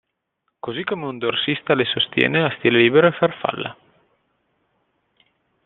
Così come un dorsista le sostiene a stile libero e farfalla.